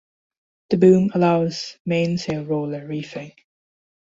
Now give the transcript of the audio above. The boom allows mainsail roller reefing.